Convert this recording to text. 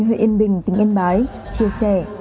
huyện yên bình tình yên bái chia sẻ